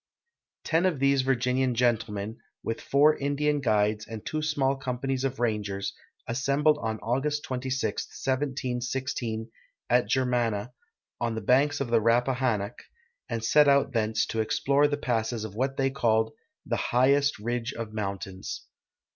Ten of these Virginian gentlemen, with four Indian guides and two small companies of rangers, assembled on August 26, 1716, at Germanna, on the banks of the Rappahannock, and set out thence to explore the passes of what they called the " highest ridge of mountains."